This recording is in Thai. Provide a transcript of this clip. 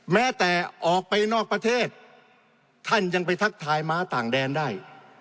แม้แต่ออกไปนอกประเทศท่านยังไปทักทายม้าต่างแดนได้